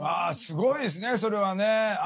すごいですねそれはね。